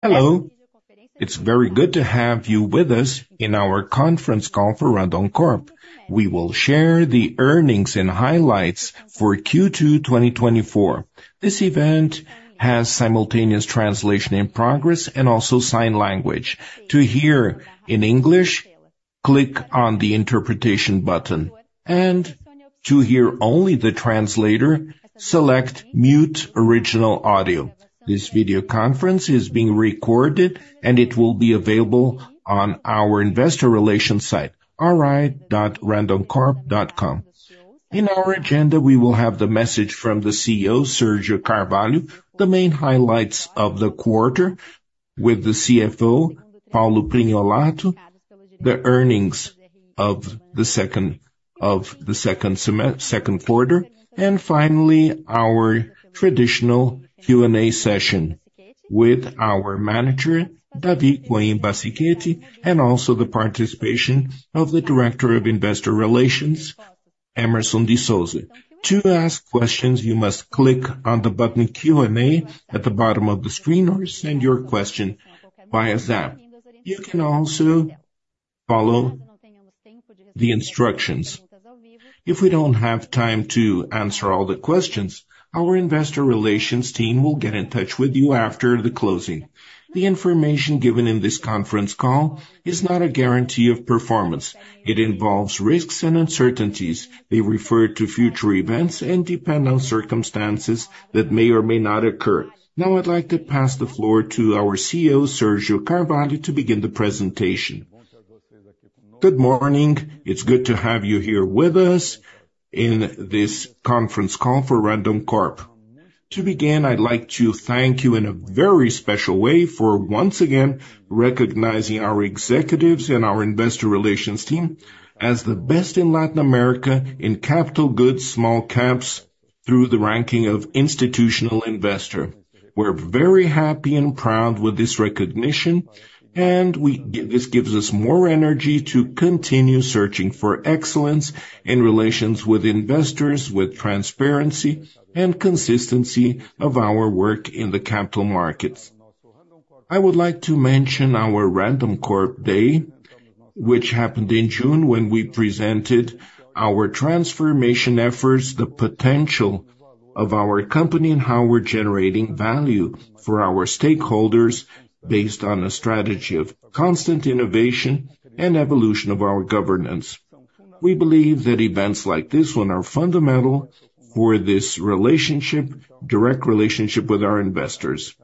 Hello, it's very good to have you with us in our conference call for Randoncorp. We will share the Earnings and Highlights for Q2 2024. This event has simultaneous translation in progress and also sign language. To hear in English, click on the interpretation button, and to hear only the translator, select Mute Original Audio. This video conference is being recorded, and it will be available on our investor relations site, ri.randoncorp.com. In our agenda, we will have the message from the CEO, Sergio Carvalho, the main highlights of the quarter with the CFO, Paulo Prignolato, the earnings of the second quarter, and finally, our traditional Q&A session with our manager, Davi Coin Bacichette, and also the participation of the Director of Investor Relations, Emerson de Souza. To ask questions, you must click on the button Q&A at the bottom of the screen, or send your question via Zap. You can also follow the instructions. If we don't have time to answer all the questions, our investor relations team will get in touch with you after the closing. The information given in this conference call is not a guarantee of performance. It involves risks and uncertainties. They refer to future events and depend on circumstances that may or may not occur. Now, I'd like to pass the floor to our CEO, Sergio Carvalho, to begin the presentation. Good morning. It's good to have you here with us in this conference call for Randoncorp. To begin, I'd like to thank you in a very special way for once again recognizing our executives and our investor relations team as the best in Latin America in capital goods small caps through the ranking of Institutional Investor. We're very happy and proud with this recognition, and this gives us more energy to continue searching for excellence in relations with investors, with transparency and consistency of our work in the capital markets. I would like to mention our Randoncorp Day, which happened in June, when we presented our transformation efforts, the potential of our company, and how we're generating value for our stakeholders based on a strategy of constant innovation and evolution of our governance. We believe that events like this one are fundamental for this relationship, direct relationship with our investors.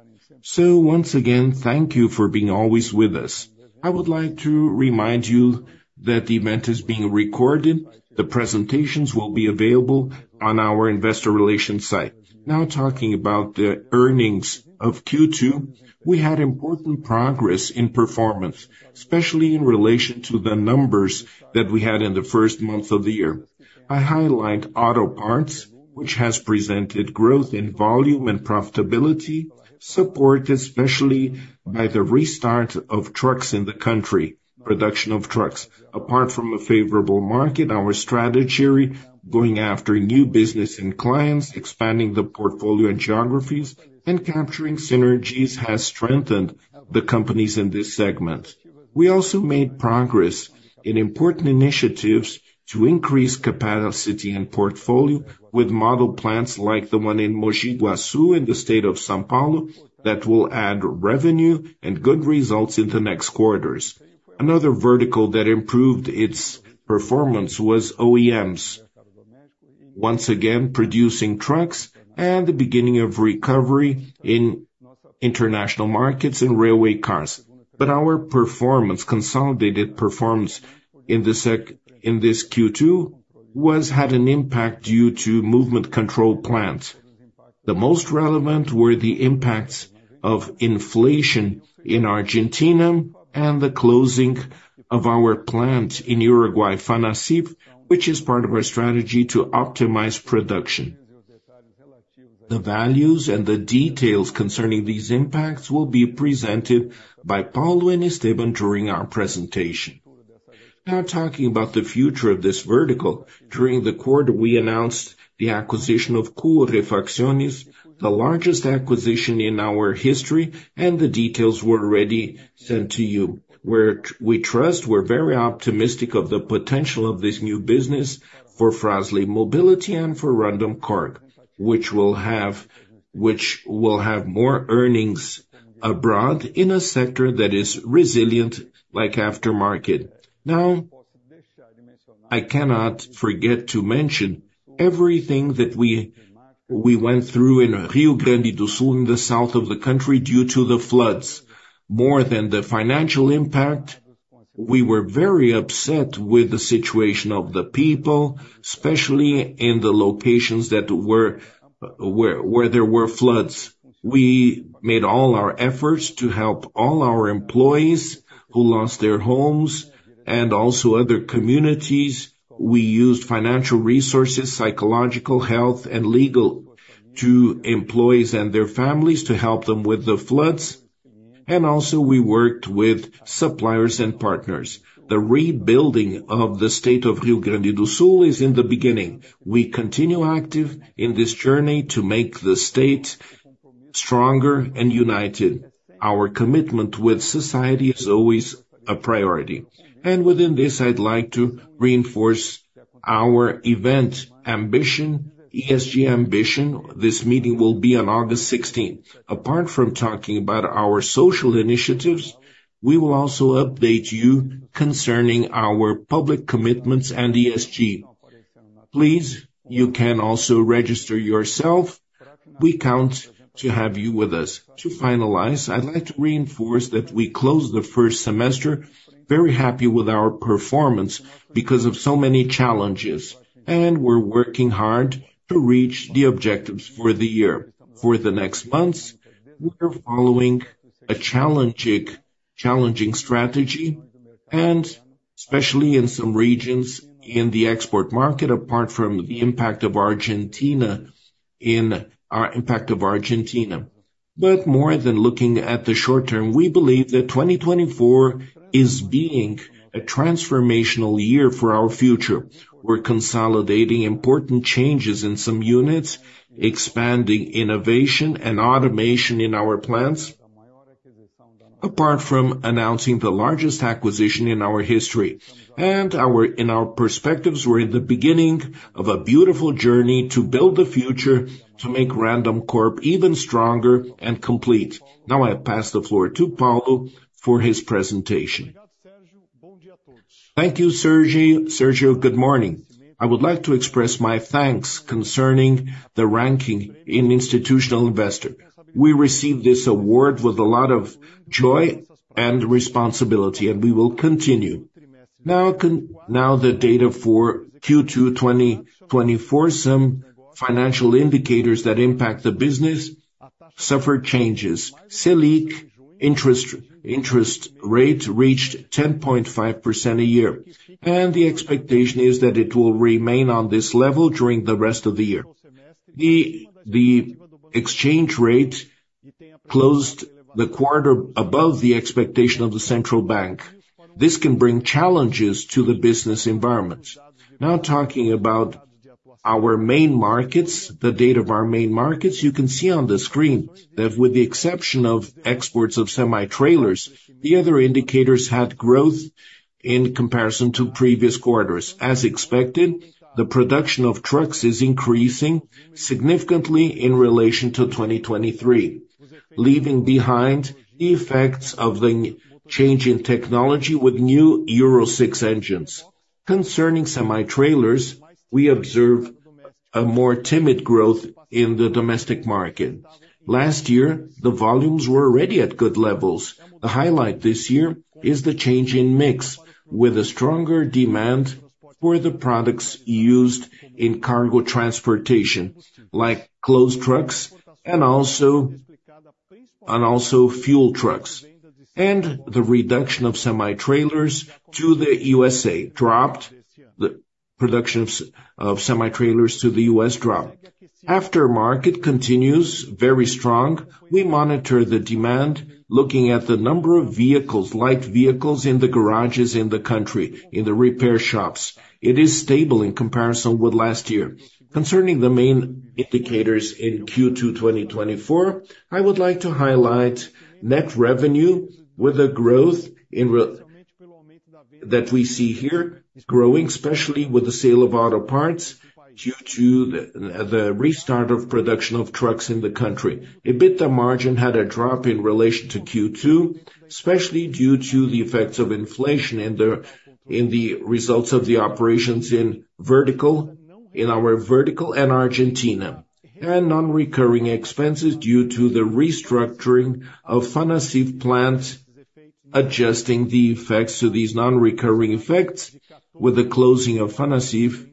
So once again, thank you for being always with us. I would like to remind you that the event is being recorded. The presentations will be available on our investor relations site. Now, talking about the earnings of Q2, we had important progress in performance, especially in relation to the numbers that we had in the first month of the year. I highlight auto parts, which has presented growth in volume and profitability, supported especially by the restart of trucks in the country, production of trucks. Apart from a favorable market, our strategy, going after new business and clients, expanding the portfolio and geographies, and capturing synergies, has strengthened the companies in this segment. We also made progress in important initiatives to increase capacity and portfolio with model plants, like the one in Mogi Guaçu, in the state of São Paulo, that will add revenue and good results in the next quarters. Another vertical that improved its performance was OEMs. Once again, producing trucks and the beginning of recovery in international markets and railway cars. But our performance, consolidated performance, in this Q2 was had an impact due to movement control plants. The most relevant were the impacts of inflation in Argentina and the closing of our plant in Uruguay, Fanacif, which is part of our strategy to optimize production. The values and the details concerning these impacts will be presented by Paulo and Esteban during our presentation. Now, talking about the future of this vertical, during the quarter, we announced the acquisition of Kuo Refacciones, the largest acquisition in our history, and the details were already sent to you. We're, we trust, we're very optimistic of the potential of this new business for Fras-le Mobility and for Randoncorp, which will have, which will have more earnings abroad in a sector that is resilient, like aftermarket. Now, I cannot forget to mention everything that we went through in Rio Grande do Sul, in the south of the country, due to the floods. More than the financial impact, we were very upset with the situation of the people, especially in the locations where there were floods. We made all our efforts to help all our employees who lost their homes and also other communities. We used financial resources, psychological, health, and legal to employees and their families to help them with the floods, and also we worked with suppliers and partners. The rebuilding of the state of Rio Grande do Sul is in the beginning. We continue active in this journey to make the state stronger and united. Our commitment with society is always a priority. Within this, I'd like to reinforce our event, ambition, ESG ambition. This meeting will be on August 16th. Apart from talking about our social initiatives, we will also update you concerning our public commitments and ESG. Please, you can also register yourself. We count to have you with us. To finalize, I'd like to reinforce that we closed the first semester very happy with our performance because of so many challenges, and we're working hard to reach the objectives for the year. For the next months, we are following a challenging, challenging strategy, and especially in some regions in the export market, apart from the impact of Argentina in, impact of Argentina. But more than looking at the short term, we believe that 2024 is being a transformational year for our future. We're consolidating important changes in some units, expanding innovation and automation in our plants, apart from announcing the largest acquisition in our history. In our perspectives, we're in the beginning of a beautiful journey to build the future, to make Randoncorp even stronger and complete. Now, I pass the floor to Paulo for his presentation. Thank you, Sergio. Sergio, good morning. I would like to express my thanks concerning the ranking in Institutional Investor. We received this award with a lot of joy and responsibility, and we will continue. Now, the data for Q2 2024, some financial indicators that impact the business suffered changes. Selic interest rate reached 10.5% a year, and the expectation is that it will remain on this level during the rest of the year. The exchange rate closed the quarter above the expectation of the central bank. This can bring challenges to the business environment. Now, talking about our main markets, the data of our main markets, you can see on the screen that with the exception of exports of semi-trailers, the other indicators had growth in comparison to previous quarters. As expected, the production of trucks is increasing significantly in relation to 2023, leaving behind the effects of the change in technology with new Euro 6 engines. Concerning semi-trailers, we observe a more timid growth in the domestic market. Last year, the volumes were already at good levels. The highlight this year is the change in mix, with a stronger demand for the products used in cargo transportation, like closed trucks and also, and also fuel trucks, and the reduction of semi-trailers to the U.S.A. dropped. The production of semi-trailers to the U.S. dropped. Aftermarket continues very strong. We monitor the demand, looking at the number of vehicles, light vehicles in the garages in the country, in the repair shops. It is stable in comparison with last year. Concerning the main indicators in Q2 2024, I would like to highlight net revenue with a growth that we see here, growing, especially with the sale of auto parts due to the, the restart of production of trucks in the country. EBITDA margin had a drop in relation to Q2, especially due to the effects of inflation in the, in the results of the operations in vertical, in our vertical and Argentina, and non-recurring expenses due to the restructuring of Fanacif plant, adjusting the effects to these non-recurring effects with the closing of Fanacif,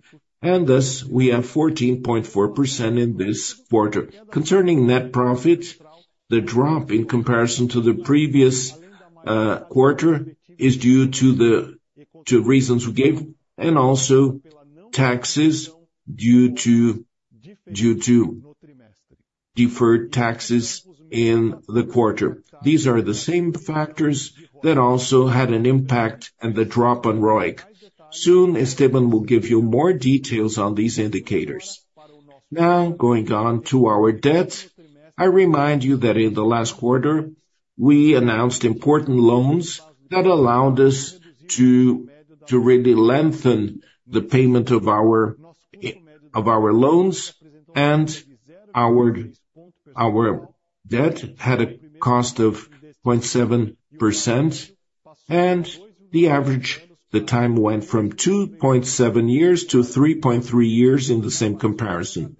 and thus, we have 14.4% in this quarter. Concerning net profit, the drop in comparison to the previous quarter is due to reasons we gave, and also taxes due to deferred taxes in the quarter. These are the same factors that also had an impact and the drop on ROIC. Soon, Esteban will give you more details on these indicators. Now, going on to our debt. I remind you that in the last quarter, we announced important loans that allowed us to really lengthen the payment of our loans and our debt had a cost of 0.7%, and the average time went from 2.7 years-3.3 years in the same comparison.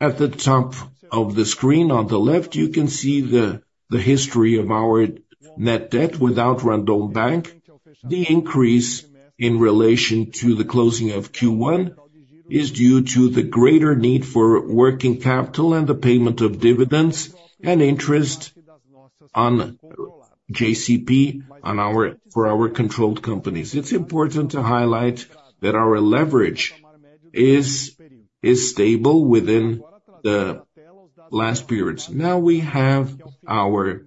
At the top of the screen, on the left, you can see the history of our net debt without Randon Bank. The increase in relation to the closing of Q1 is due to the greater need for working capital and the payment of dividends and interest on JCP, on our, for our controlled companies. It's important to highlight that our leverage is stable within the last periods. Now, we have our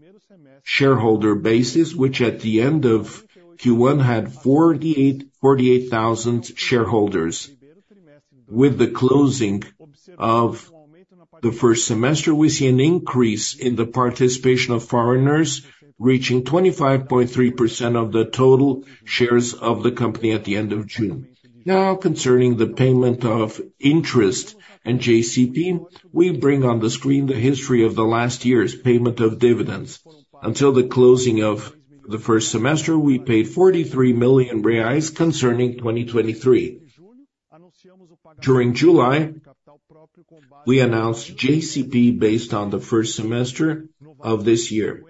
shareholder basis, which at the end of Q1 had 48,000 shareholders. With the closing of the first semester, we see an increase in the participation of foreigners, reaching 25.3% of the total shares of the company at the end of June. Now, concerning the payment of interest and JCP, we bring on the screen the history of the last year's payment of dividends. Until the closing of the first semester, we paid 43 million reais concerning 2023. During July, we announced JCP, based on the first semester of this year,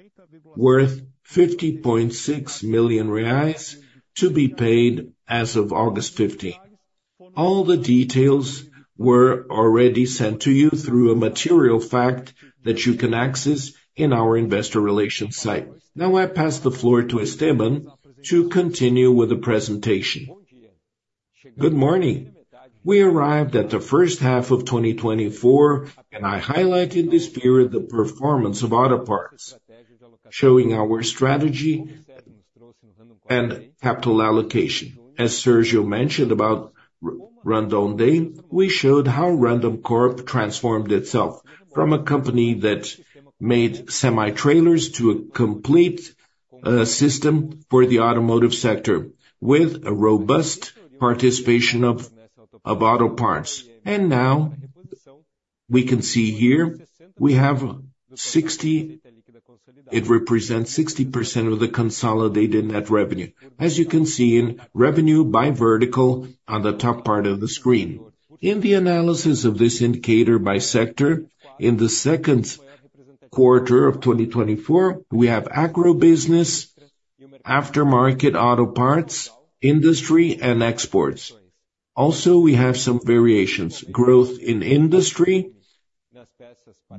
worth 50.6 million reais, to be paid as of August 15th. All the details were already sent to you through a material fact that you can access in our investor relations site. Now, I pass the floor to Esteban to continue with the presentation. Good morning. We arrived at the first half of 2024, and I highlighted this period, the performance of auto parts, showing our strategy and capital allocation. As Sergio mentioned about Randoncorp Day, we showed how Randoncorp transformed itself from a company that made semi-trailers to a complete system for the automotive sector, with a robust participation of auto parts. Now we can see here, we have 60%, it represents 60% of the consolidated net revenue, as you can see in revenue by vertical on the top part of the screen. In the analysis of this indicator by sector, in the second quarter of 2024, we have agribusiness, aftermarket auto parts, industry, and exports. Also, we have some variations, growth in industry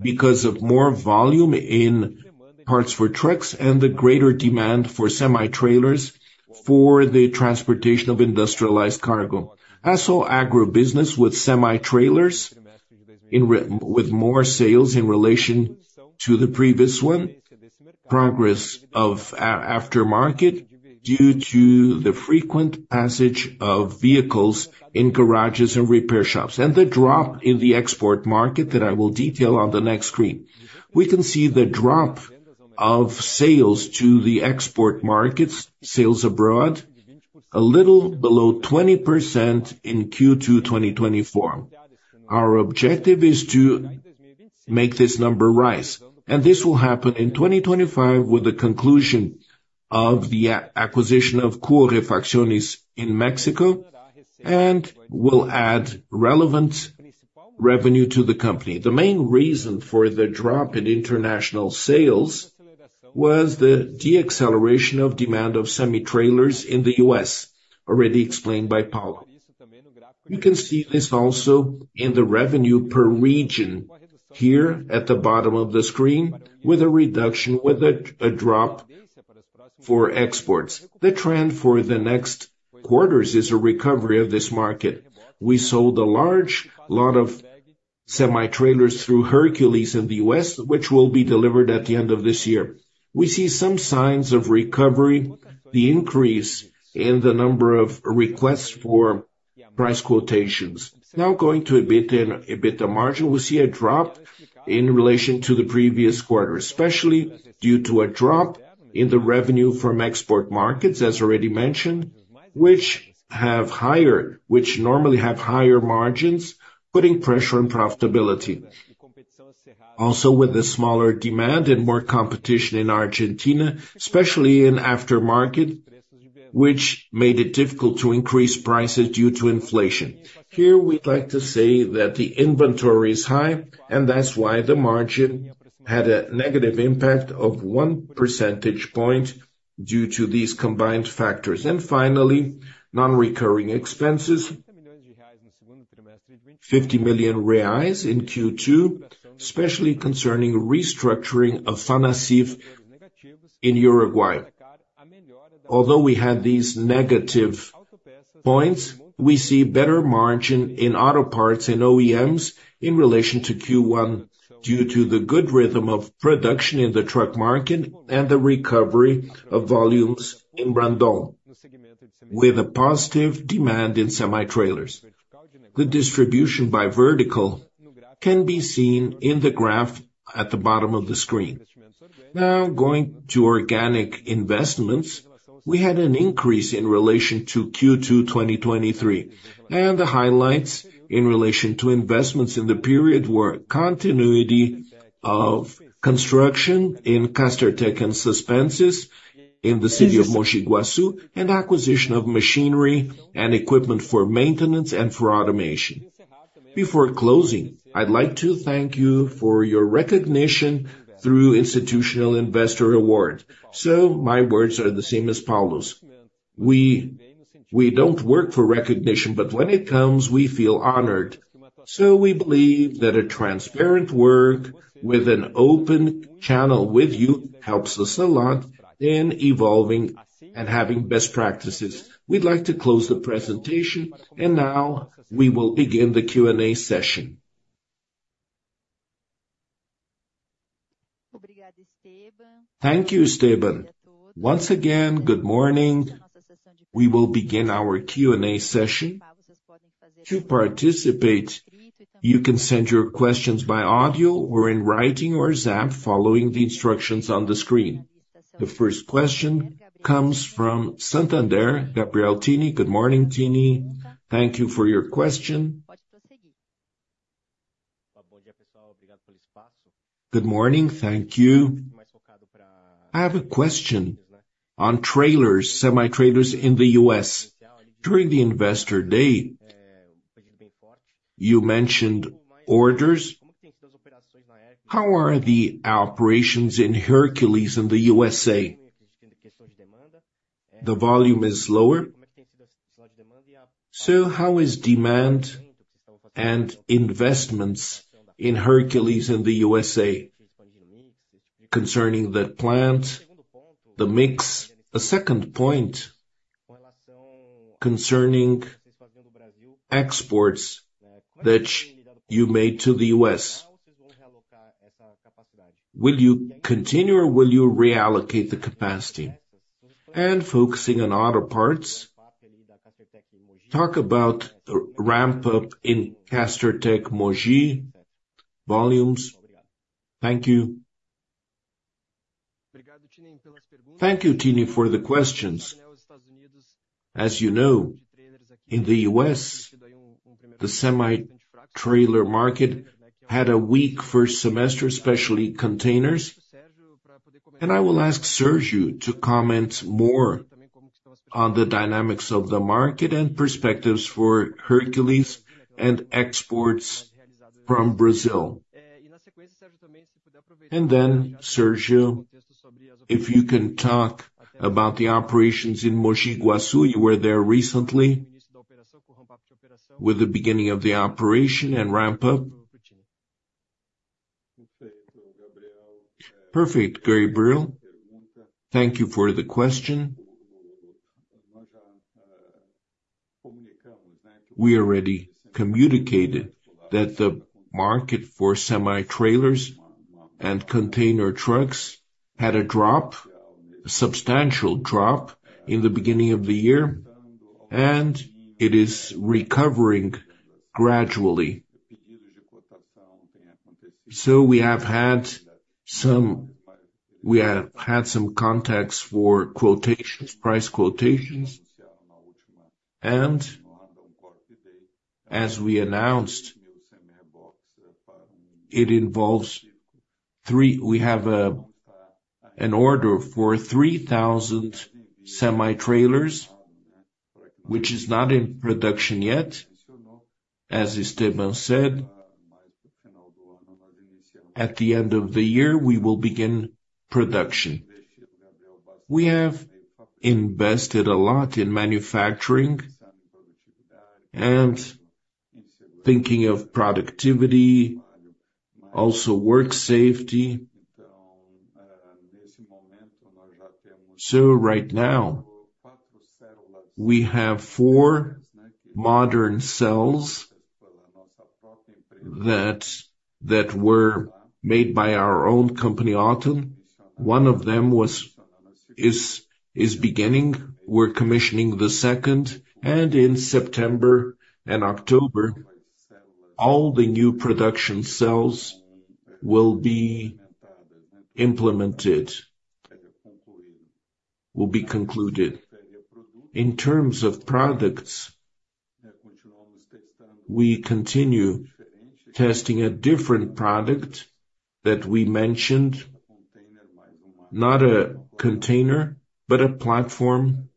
because of more volume in parts for trucks and the greater demand for semi-trailers for the transportation of industrialized cargo. Also, agribusiness with semi-trailers, with more sales in relation to the previous one, progress of aftermarket, due to the frequent passage of vehicles in garages and repair shops, and the drop in the export market that I will detail on the next screen. We can see the drop of sales to the export markets, sales abroad, a little below 20% in Q2 2024. Our objective is to make this number rise, and this will happen in 2025, with the conclusion of the acquisition of Kuo Refacciones in Mexico, and will add relevant revenue to the company. The main reason for the drop in international sales was the deceleration of demand of semi-trailers in the U.S., already explained by Paulo. You can see this also in the revenue per region, here at the bottom of the screen, with a reduction, a drop for exports. The trend for the next quarters is a recovery of this market. We sold a large lot of semi-trailers through Hercules in the U.S., which will be delivered at the end of this year. We see some signs of recovery: the increase in the number of requests for price quotations. Now, going to EBITDA and EBITDA margin, we see a drop in relation to the previous quarter, especially due to a drop in the revenue from export markets, as already mentioned, which normally have higher margins, putting pressure on profitability. Also, with the smaller demand and more competition in Argentina, especially in aftermarket, which made it difficult to increase prices due to inflation. Here, we'd like to say that the inventory is high, and that's why the margin had a negative impact of one percentage point due to these combined factors. And finally, non-recurring expenses, 50 million reais in Q2, especially concerning restructuring of Fanacif in Uruguay. Although we had these negative points, we see better margin in auto parts and OEMs in relation to Q1, due to the good rhythm of production in the truck market and the recovery of volumes in Randon, with a positive demand in semi-trailers. The distribution by vertical can be seen in the graph at the bottom of the screen. Now, going to organic investments, we had an increase in relation to Q2 2023. The highlights in relation to investments in the period were continuity of construction in Castertech and Suspensys, in the city of Mogi Guaçu, and acquisition of machinery and equipment for maintenance and for automation. Before closing, I'd like to thank you for your recognition through Institutional Investor Award. So my words are the same as Paulo's. We, we don't work for recognition, but when it comes, we feel honored. So we believe that a transparent work with an open channel with you helps us a lot in evolving and having best practices. We'd like to close the presentation, and now we will begin the Q&A session.... Thank you, Esteban. Once again, good morning. We will begin our Q&A session. To participate, you can send your questions by audio, or in writing, or Zap, following the instructions on the screen. The first question comes from Santander, Gabriel Tinem. Good morning, Tinem. Thank you for your question. Good morning. Thank you. I have a question on trailers, semi-trailers in the U.S. During the Investor Day, you mentioned orders. How are the operations in Hercules in the U.S.? The volume is lower. So how is demand and investments in Hercules in the U.S. concerning the plant, the mix? A second point, concerning exports that you made to the U.S. Will you continue or will you reallocate the capacity? Focusing on other parts, talk about the ramp-up in Castertech Mogi volumes. Thank you. Thank you, Tinem, for the questions. As you know, in the U.S., the semi-trailer market had a weak first semester, especially containers. I will ask Sergio to comment more on the dynamics of the market and perspectives for Hercules and exports from Brazil. Then, Sergio, if you can talk about the operations in Mogi Guaçu. You were there recently, with the beginning of the operation and ramp-up. Perfect, Gabriel. Thank you for the question. We already communicated that the market for semi-trailers and container trucks had a drop, a substantial drop, in the beginning of the year, and it is recovering gradually. So we have had some, we have had some contacts for quotations, price quotations. As we announced, it involves three—we have an order for 3,000 semi-trailers, which is not in production yet. As Esteban said, at the end of the year, we will begin production. We have invested a lot in manufacturing and thinking of productivity, also work safety. So right now, we have four modern cells that were made by our own company, Auttom. One of them is beginning, we're commissioning the second, and in September and October, all the new production cells will be implemented, will be concluded. In terms of products, we continue testing a different product that we mentioned, not a container, but a platform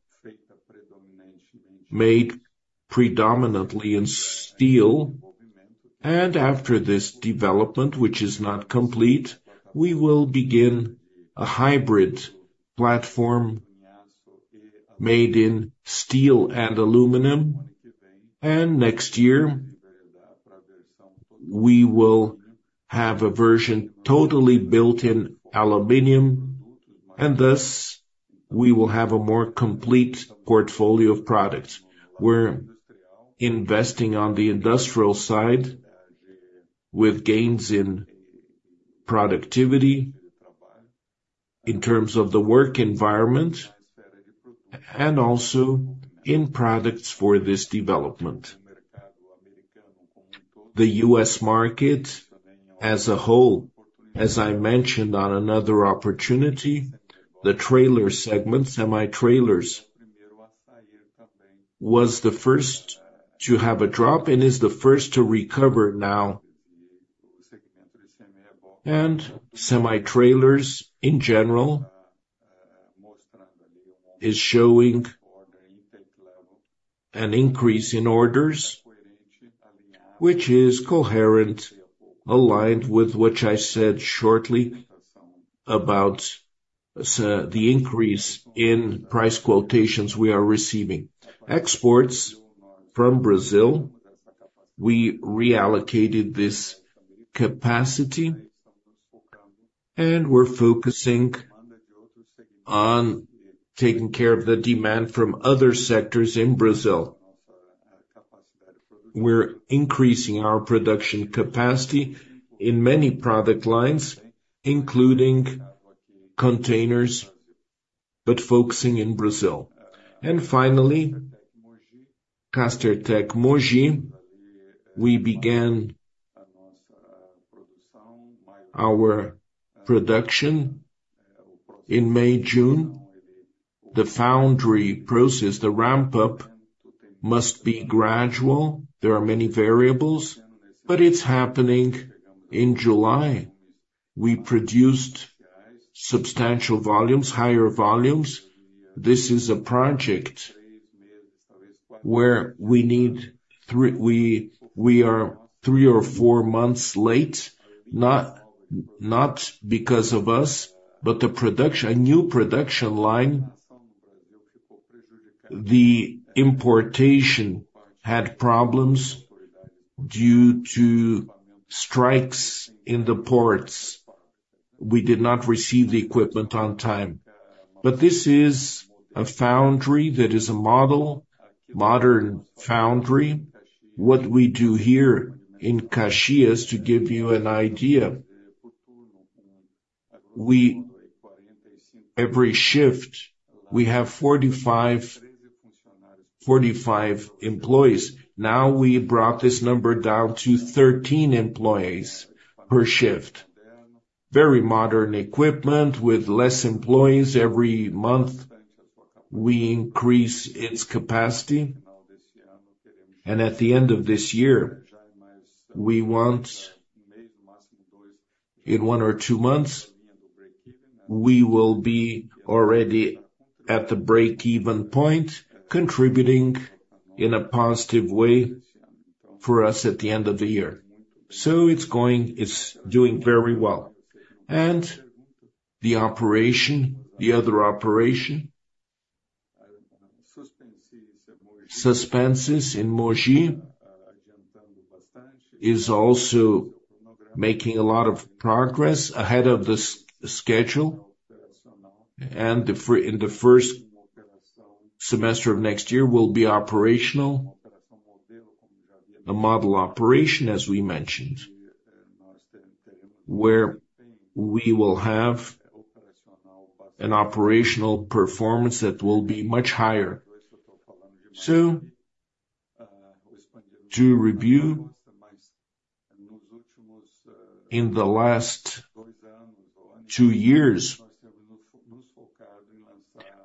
made predominantly in steel. And after this development, which is not complete, we will begin a hybrid platform made in steel and aluminum. Next year, we will have a version totally built in aluminum, and thus, we will have a more complete portfolio of products. We're investing on the industrial side with gains in productivity, in terms of the work environment, and also in products for this development. The U.S. market as a whole, as I mentioned on another opportunity, the trailer segment, semi-trailers, was the first to have a drop and is the first to recover now. Semi-trailers, in general, is showing an increase in orders, which is coherent, aligned with what I said shortly about the increase in price quotations we are receiving. Exports from Brazil, we reallocated this capacity... We're focusing on taking care of the demand from other sectors in Brazil. We're increasing our production capacity in many product lines, including containers, but focusing in Brazil. And finally, Castertech Mogi, we began our production in May, June. The foundry process, the ramp-up, must be gradual. There are many variables, but it's happening. In July, we produced substantial volumes, higher volumes. This is a project where we need three—we, we are three or four months late, not, not because of us, but the production, a new production line. The importation had problems due to strikes in the ports. We did not receive the equipment on time. But this is a foundry that is a model, modern foundry. What we do here in Caxias, to give you an idea, we—every shift, we have 45, 45 employees. Now, we brought this number down to 13 employees per shift. Very modern equipment with less employees. Every month, we increase its capacity. At the end of this year, we want, in one or two months, we will be already at the break-even point, contributing in a positive way for us at the end of the year. So it's going, it's doing very well. And the operation, the other operation, Suspensys in Mogi, is also making a lot of progress ahead of the schedule, and in the first semester of next year, will be operational. The model operation, as we mentioned, where we will have an operational performance that will be much higher. So to review, in the last two years,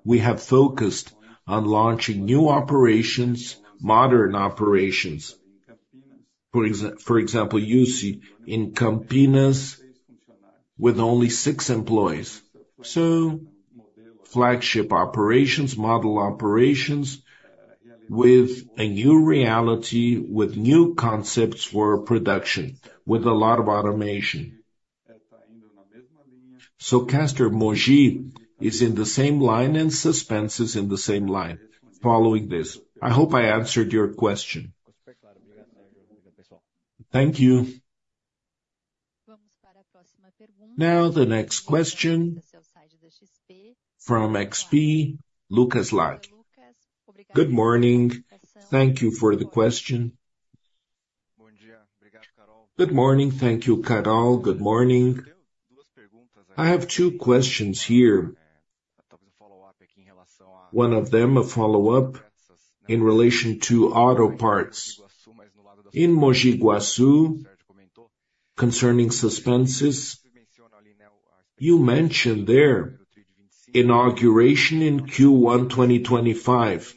we have focused on launching new operations, modern operations. For example, you see in Campinas with only six employees. So flagship operations, model operations, with a new reality, with new concepts for production, with a lot of automation. Castertech Mogi is in the same line, and Suspensys is in the same line, following this. I hope I answered your question. Thank you. Now, the next question from XP, Lucas Laghi. Good morning. Thank you for the question. Good morning. Thank you, Carol. Good morning. I have two questions here. One of them, a follow-up in relation to auto parts. In Mogi Guaçu, concerning Suspensys, you mentioned their inauguration in Q1, 2025.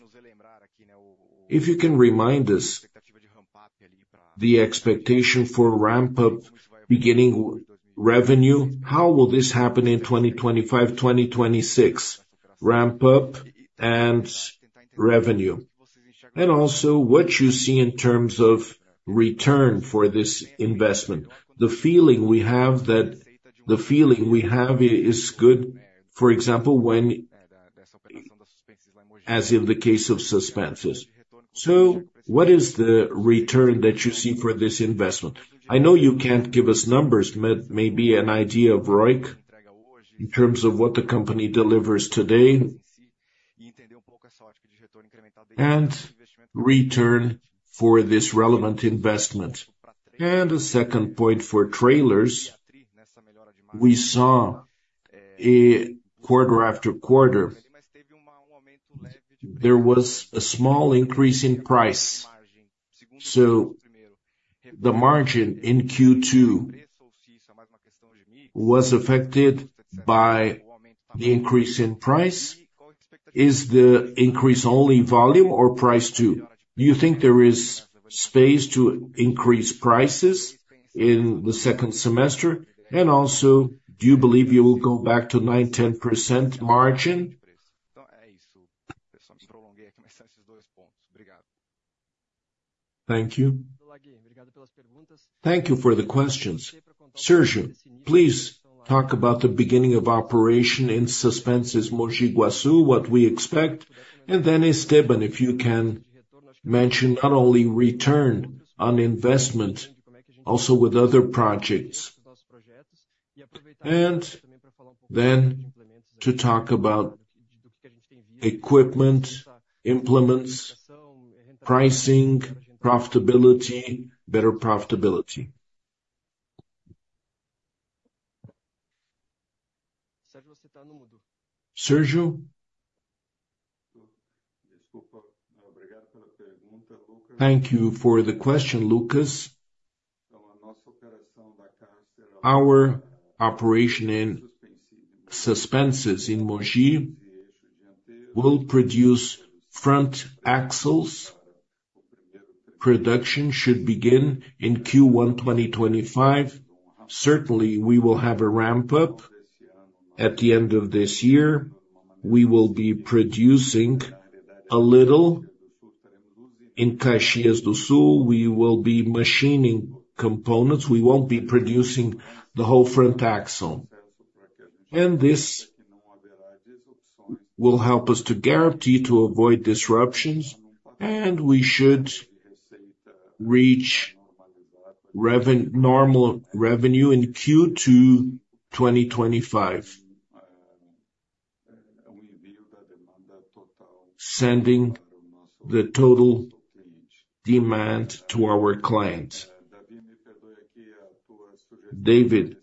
If you can remind us the expectation for ramp-up beginning revenue, how will this happen in 2025, 2026, ramp-up and revenue? And also, what you see in terms of return for this investment. The feeling we have that-- the feeling we have is good, for example, when, as in the case of Suspensys. So what is the return that you see for this investment? I know you can't give us numbers, but maybe an idea of ROIC, in terms of what the company delivers today, and return for this relevant investment. And a second point for trailers. We saw a quarter after quarter, there was a small increase in price. So the margin in Q2 was affected by the increase in price. Is the increase only volume or price, too? Do you think there is space to increase prices in the second semester? And also, do you believe you will go back to 9%-10% margin? Thank you. Thank you for the questions. Sergio, please talk about the beginning of operation in Suspensys, Mogi Guaçu, what we expect, and then, Esteban, if you can mention not only return on investment, also with other projects. And then to talk about equipment, implements, pricing, profitability, better profitability. Sergio? Thank you for the question, Lucas. Our operation in Suspensys, in Mogi, will produce front axles. Production should begin in Q1 2025. Certainly, we will have a ramp up. At the end of this year, we will be producing a little in Caxias do Sul. We will be machining components. We won't be producing the whole front axle. This will help us to guarantee to avoid disruptions, and we should reach normal revenue in Q2 2025, sending the total demand to our clients. David?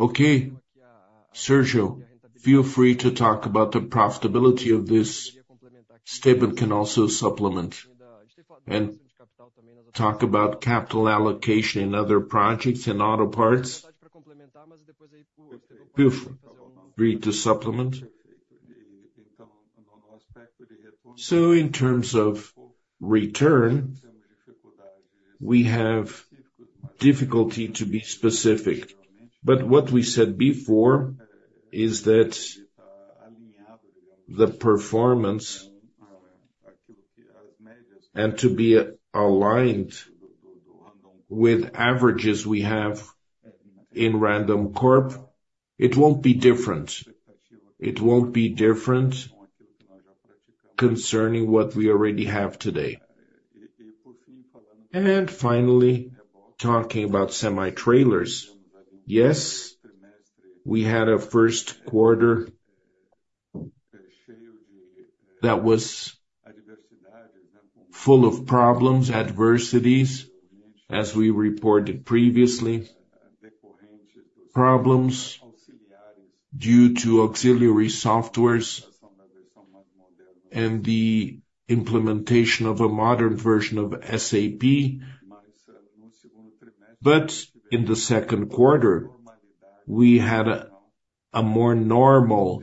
Okay, Sergio, feel free to talk about the profitability of this. Esteban can also supplement and talk about capital allocation in other projects and auto parts. Feel free to supplement. In terms of return, we have difficulty to be specific, but what we said before is that the performance, and to be aligned with averages we have in Randoncorp, it won't be different. It won't be different concerning what we already have today. Finally, talking about semi-trailers, yes, we had a first quarter that was full of problems, adversities, as we reported previously. Problems due to auxiliary software and the implementation of a modern version of SAP. But in the second quarter, we had a more normal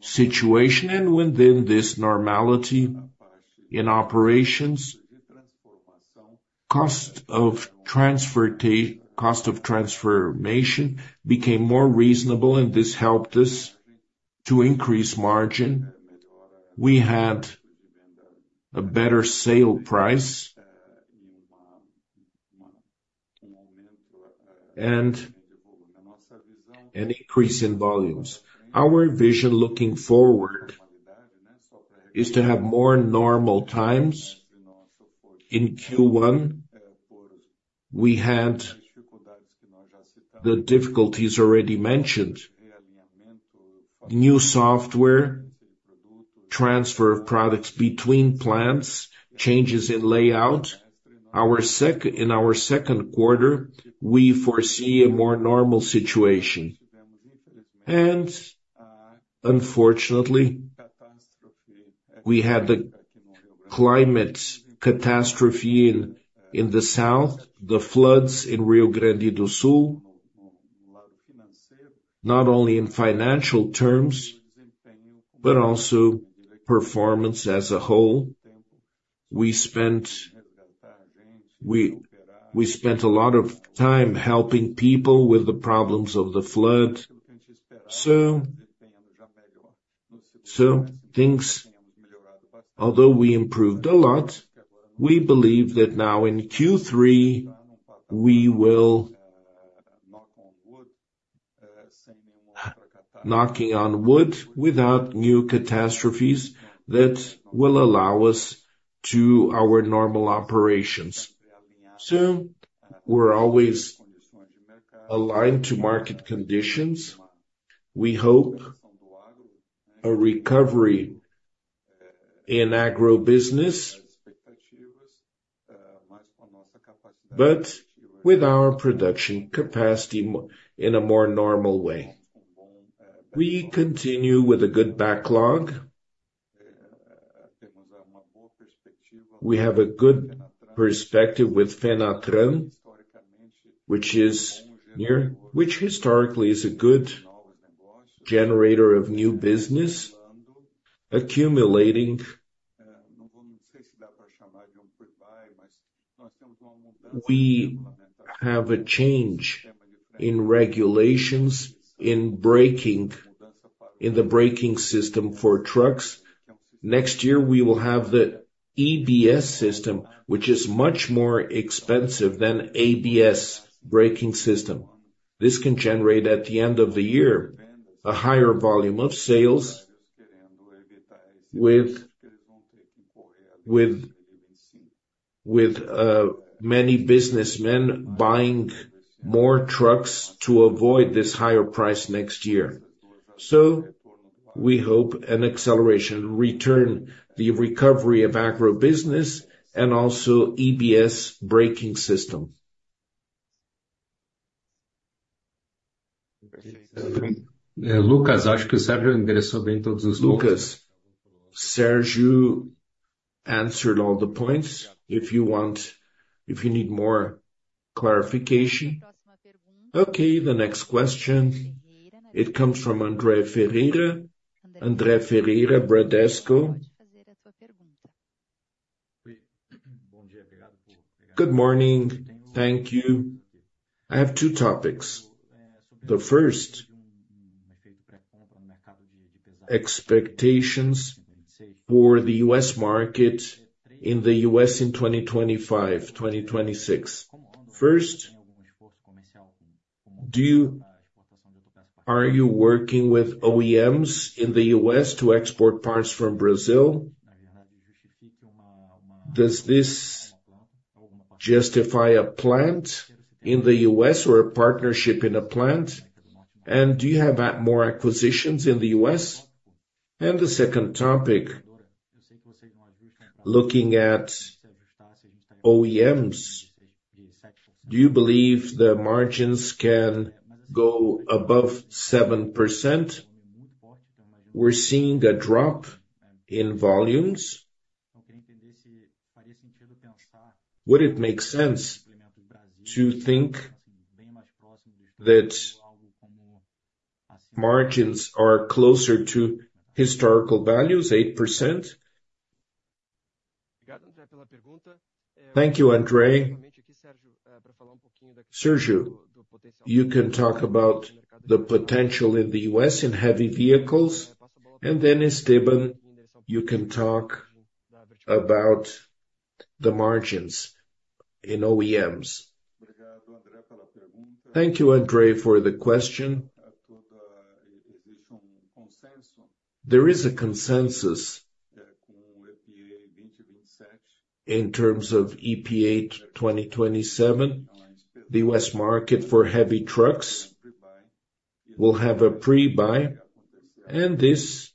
situation, and within this normality in operations, cost of transformation became more reasonable, and this helped us to increase margin. We had a better sale price and an increase in volumes. Our vision looking forward is to have more normal times. In Q1, we had the difficulties already mentioned. New software, transfer of products between plants, changes in layout. In our second quarter, we foresee a more normal situation. And unfortunately, we had the climate catastrophe in the south, the floods in Rio Grande do Sul, not only in financial terms, but also performance as a whole. We spent a lot of time helping people with the problems of the flood. So, things, although we improved a lot, we believe that now in Q3, we will, knocking on wood, without new catastrophes, that will allow us to our normal operations. So we're always aligned to market conditions. We hope a recovery in agro business, but with our production capacity more, in a more normal way. We continue with a good backlog. We have a good perspective with Fenatran, which is near, which historically is a good generator of new business, accumulating. We have a change in regulations, in braking, in the braking system for trucks. Next year, we will have the EBS system, which is much more expensive than ABS braking system. This can generate, at the end of the year, a higher volume of sales with many businessmen buying more trucks to avoid this higher price next year. So we hope an acceleration return the recovery of agro business and also EBS braking system. Lucas, Sergio answered all the points, if you want-- if you need more clarification. Okay, the next question, it comes from Andre Ferreira. Andre Ferreira Bradesco. Good morning. Thank you. I have two topics. The first, expectations for the U.S. market in the U.S. in 2025, 2026. First, do you-- are you working with OEMs in the U.S. to export parts from Brazil? Does this justify a plant in the U.S. or a partnership in a plant? And do you have more acquisitions in the U.S.? And the second topic: looking at OEMs, do you believe the margins can go above 7%? We're seeing a drop in volumes. Would it make sense to think that margins are closer to historical values, 8%? Thank you, Andre. Sergio, you can talk about the potential in the U.S. in heavy vehicles, and then Esteban, you can talk about the margins in OEMs. Thank you, Andre, for the question. There is a consensus in terms of EPA 2027. The U.S. market for heavy trucks will have a pre-buy, and this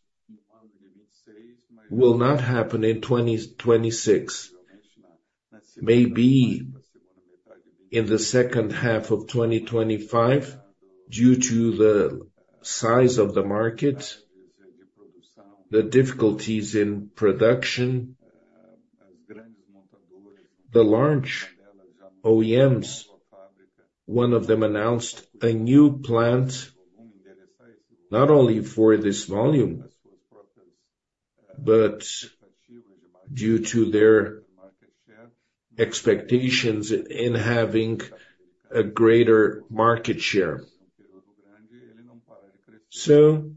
will not happen in 2026. Maybe in the second half of 2025, due to the size of the market, the difficulties in production. The large OEMs, one of them announced a new plant, not only for this volume, but due to their market share expectations in having a greater market share. So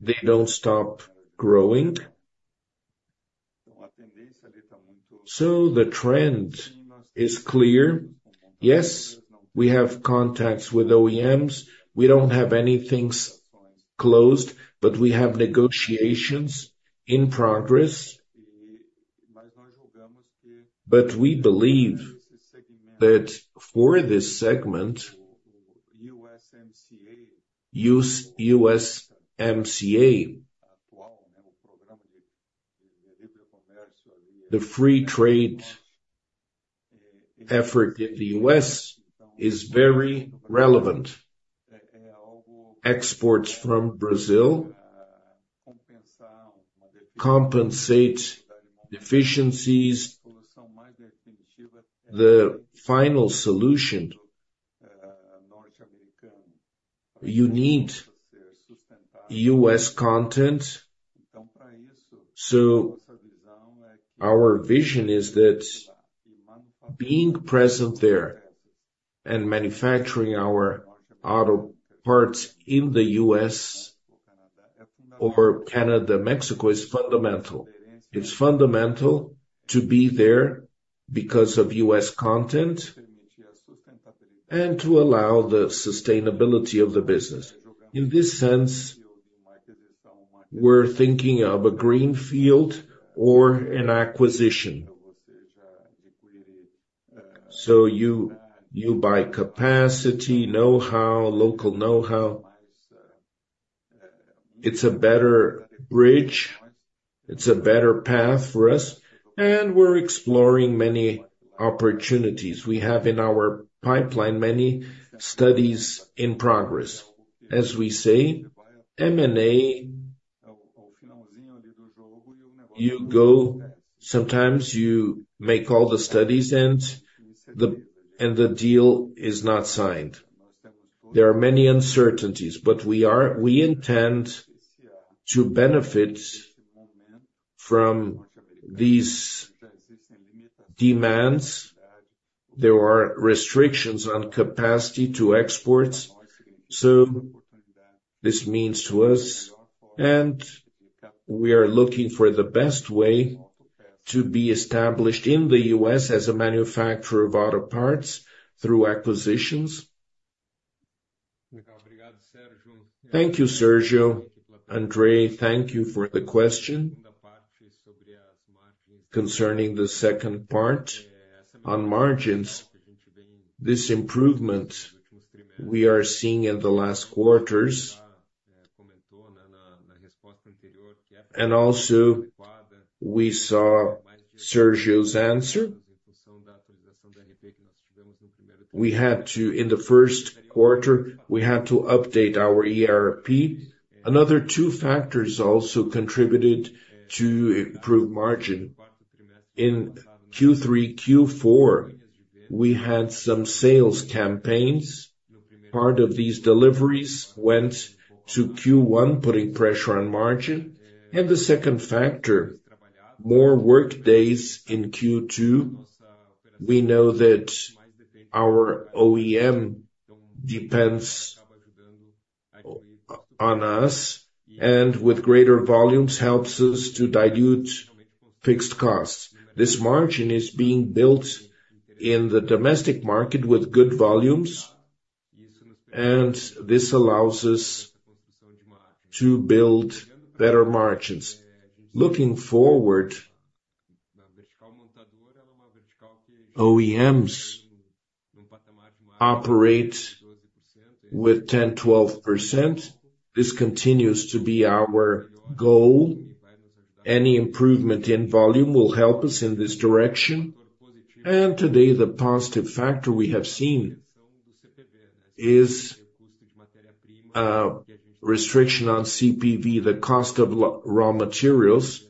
they don't stop growing. So the trend is clear. Yes, we have contacts with OEMs. We don't have anything closed, but we have negotiations in progress. But we believe that for this segment, USMCA—use USMCA—the free trade effort in the U.S., is very relevant. Exports from Brazil compensate deficiencies. The final solution, you need U.S. content. So our vision is that being present there and manufacturing our auto parts in the U.S. or Canada, Mexico, is fundamental. It's fundamental to be there because of U.S. content and to allow the sustainability of the business. In this sense, we're thinking of a greenfield or an acquisition. So you, you buy capacity, know-how, local know-how. It's a better bridge, it's a better path for us, and we're exploring many opportunities. We have in our pipeline, many studies in progress. As we say, M&A, you go, sometimes you make all the studies and the deal is not signed. There are many uncertainties, but we are—we intend to benefit from these-... demands, there are restrictions on capacity to exports. So this means to us, and we are looking for the best way to be established in the U.S. as a manufacturer of auto parts through acquisitions. Thank you, Sergio. Andre, thank you for the question. Concerning the second part on margins, this improvement we are seeing in the last quarters, and also we saw Sergio's answer. We had to, in the first quarter, we had to update our ERP. Another two factors also contributed to improved margin. In Q3, Q4, we had some sales campaigns. Part of these deliveries went to Q1, putting pressure on margin. And the second factor, more work days in Q2, we know that our OEM depends on us, and with greater volumes, helps us to dilute fixed costs. This margin is being built in the domestic market with good volumes, and this allows us to build better margins. Looking forward, OEMs operate with 10%-12%. This continues to be our goal. Any improvement in volume will help us in this direction. Today, the positive factor we have seen is restriction on CPV, the cost of raw materials.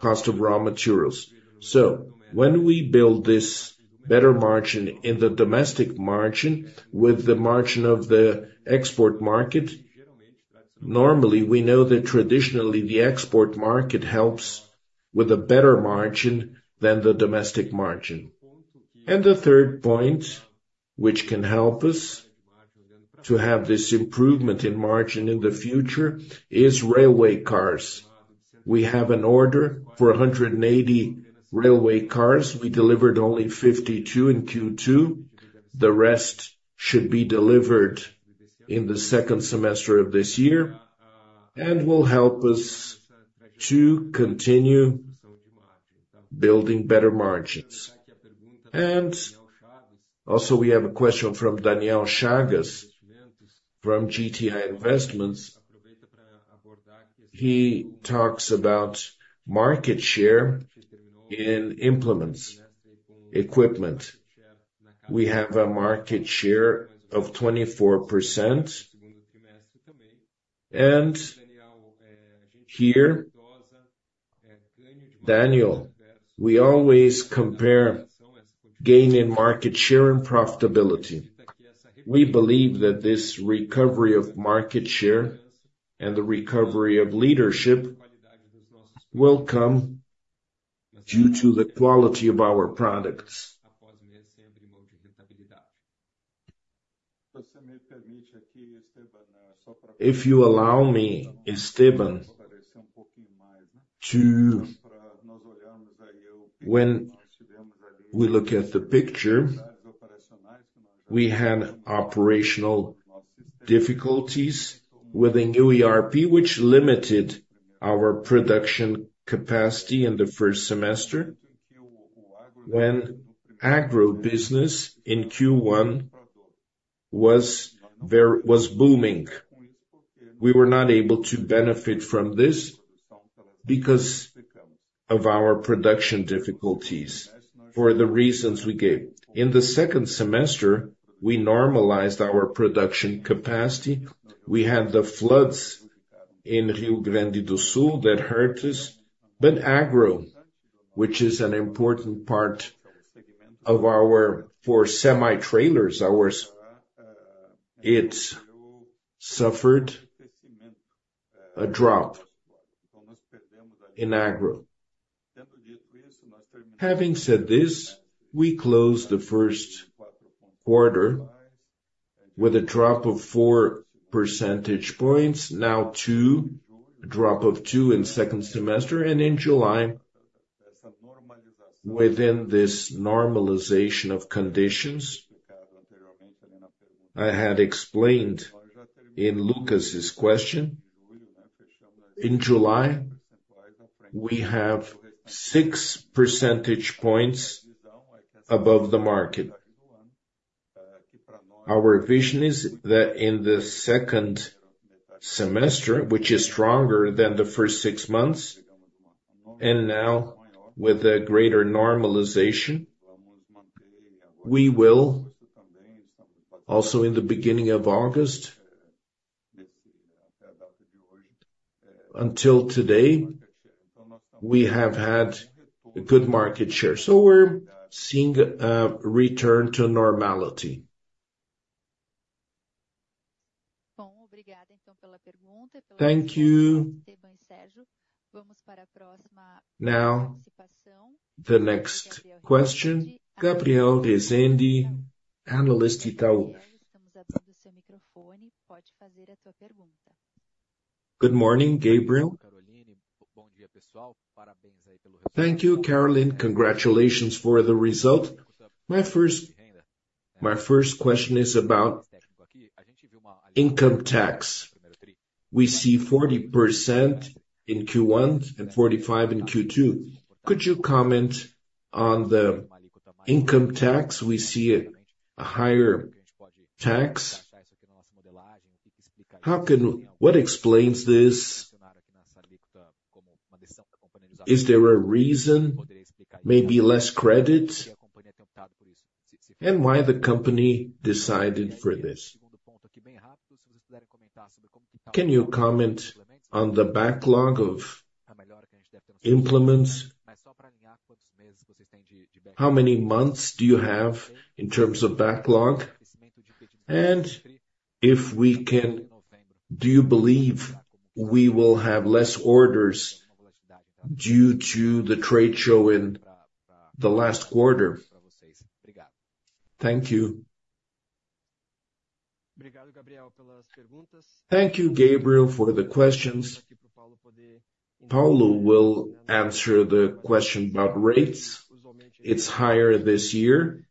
Cost of raw materials. So when we build this better margin in the domestic margin, with the margin of the export market, normally, we know that traditionally, the export market helps with a better margin than the domestic margin. The third point, which can help us to have this improvement in margin in the future, is railway cars. We have an order for 180 railway cars. We delivered only 52 in Q2. The rest should be delivered in the second semester of this year, and will help us to continue building better margins. And also, we have a question from Daniel Chagas, from GTI Investimentos. He talks about market share in implements, equipment. We have a market share of 24%. And here, Daniel, we always compare gain in market share and profitability. We believe that this recovery of market share and the recovery of leadership will come due to the quality of our products. If you allow me, Esteban, to. When we look at the picture, we had operational difficulties with a new ERP, which limited our production capacity in the first semester, when agro business in Q1 was booming. We were not able to benefit from this because of our production difficulties for the reasons we gave. In the second semester, we normalized our production capacity. We had the floods in Rio Grande do Sul that hurt us. But agro, which is an important part of our—for semi-trailers, ours, it suffered a drought in agro. Having said this, we closed the first quarter with a drop of 4 percentage points, now 2, a drop of 2 in second semester, and in July, within this normalization of conditions, I had explained in Lucas's question. In July, we have 6 percentage points above the market. Our vision is that in the second semester, which is stronger than the first six months, and now with a greater normalization, we will also in the beginning of August. Until today, we have had a good market share. So we're seeing a return to normality... Thank you. Now, the next question, Gabriel Rezende, analyst, Itaú. Good morning, Gabriel. Thank you, Caroline. Congratulations for the result. My first question is about income tax. We see 40% in Q1 and 45% in Q2. Could you comment on the income tax? We see a higher tax. How can—what explains this? Is there a reason, maybe less credit? And why the company decided for this? Can you comment on the backlog of implements? How many months do you have in terms of backlog? And if we can, do you believe we will have less orders due to the trade show in the last quarter? Thank you. Thank you, Gabriel, for the questions. Paulo will answer the question about rates. It's higher this year.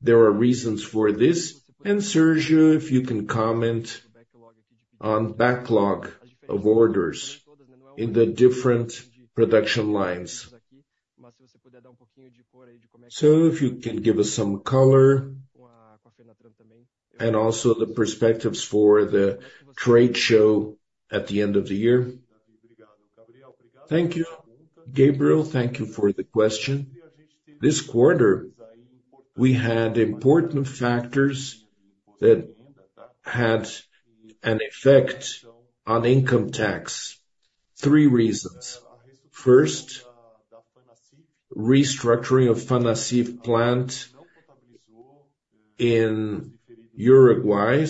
There are reasons for this. And Sergio, if you can comment on backlog of orders in the different production lines. So if you can give us some color, and also the perspectives for the trade show at the end of the year. Thank you, Gabriel. Thank you for the question. This quarter, we had important factors that had an effect on income tax. Three reasons: First, restructuring of Fanacif plant in Uruguay.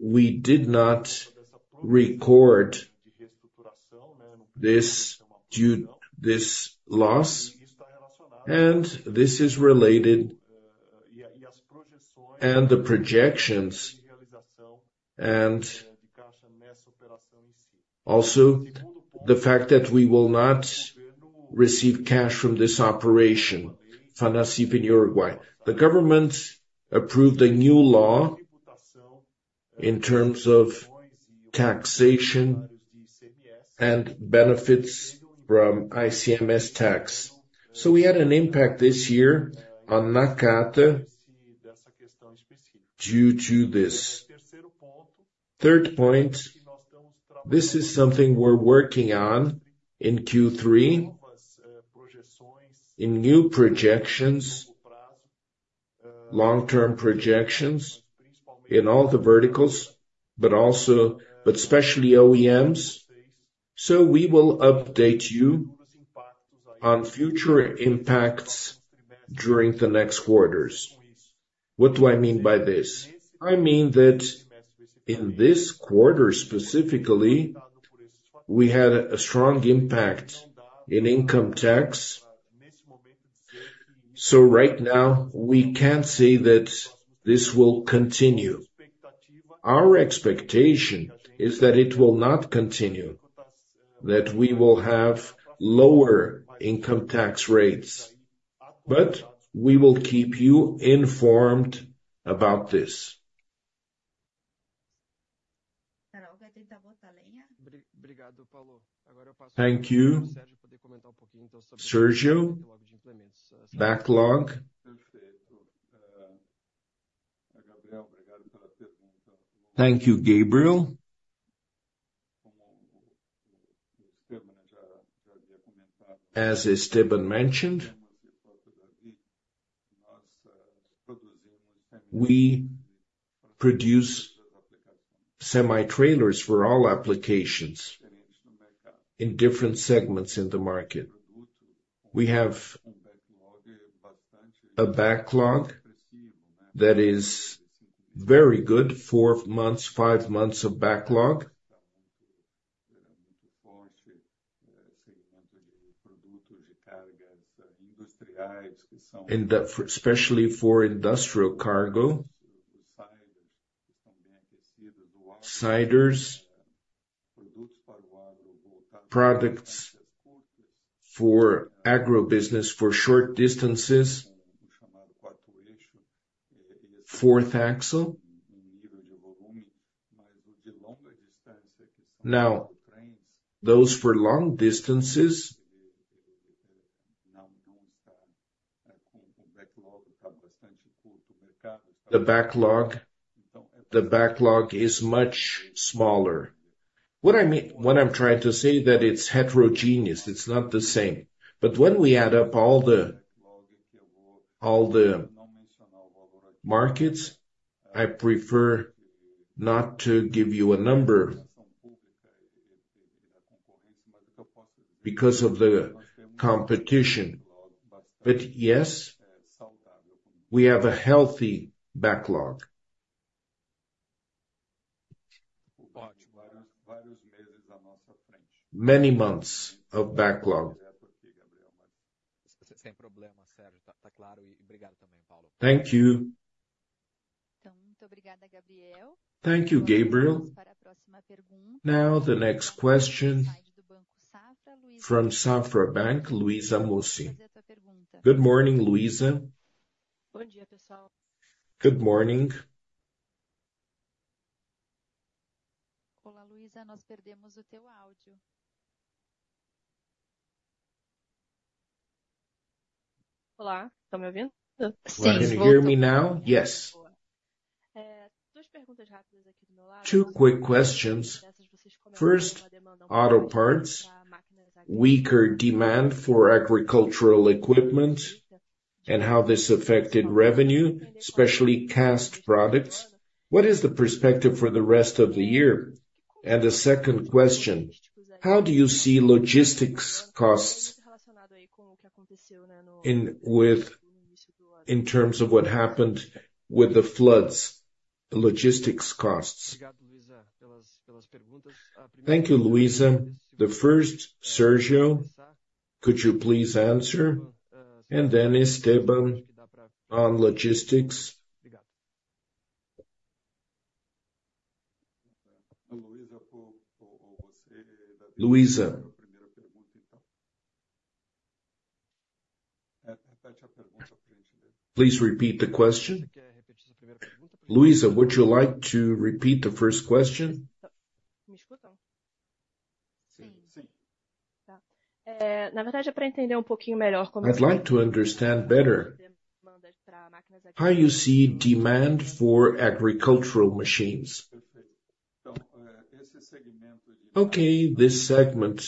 We did not record this due to this loss, and this is related, and the projections, and also the fact that we will not receive cash from this operation, Fanacif in Uruguay. The government approved a new law in terms of taxation and benefits from ICMS tax. So we had an impact this year on Nakata, due to this. Third point, this is something we're working on in Q3, in new projections, long-term projections, in all the verticals, but especially OEMs. So we will update you on future impacts during the next quarters. What do I mean by this? I mean that in this quarter, specifically, we had a strong impact in income tax. So right now, we can't say that this will continue. Our expectation is that it will not continue, that we will have lower income tax rates, but we will keep you informed about this. Thank you. Sergio, backlog. Thank you, Gabriel. As Esteban mentioned, we produce semi-trailers for all applications in different segments in the market. We have a backlog that is very good, four months, five months of backlog. And especially for industrial cargo, siders, products for agro business, for short distances, fourth axle. Now, those for long distances, the backlog, the backlog is much smaller. What I mean- What I'm trying to say that it's heterogeneous, it's not the same. But when we add up all the, all the markets, I prefer not to give you a number... because of the competition. But yes, we have a healthy backlog. Many months of backlog. Thank you. Thank you, Gabriel. Now the next question from Banco Safra, Luiza Mussi. Good morning, Luiza. Good morning. Good morning. Can you hear me now? Yes. Two quick questions. First, auto parts, weaker demand for agricultural equipment, and how this affected revenue, especially cast products. What is the perspective for the rest of the year? And the second question, how do you see logistics costs in, with, in terms of what happened with the floods, the logistics costs? Thank you, Luiza. The first, Sergio, could you please answer, and then Esteban on logistics. Luiza, please repeat the question. Luiza, would you like to repeat the first question? I'd like to understand better how you see demand for agricultural machines. Okay, this segment,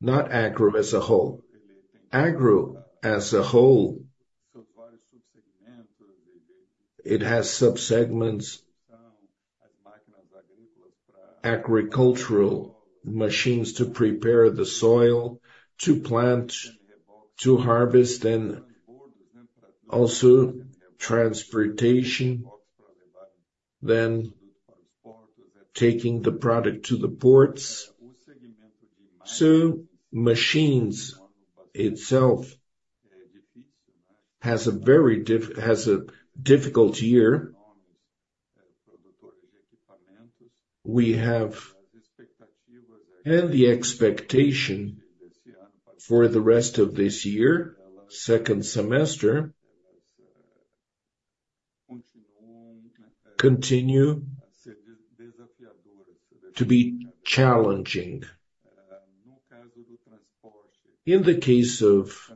not agro as a whole. Agro as a whole, it has subsegments, agricultural machines to prepare the soil, to plant, to harvest, and also transportation, then taking the product to the ports. So machines itself has a very difficult year. And the expectation for the rest of this year, second semester, continue to be challenging. In the case of...